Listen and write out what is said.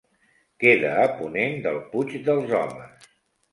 Queda a ponent del Puig dels Homes.